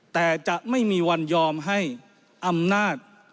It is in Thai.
แต่จะไม่มีวันยอมให้อำนาจ